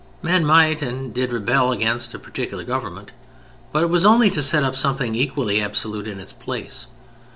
Men might and did rebel against a particular government, but it was only to set up something equally absolute in its place.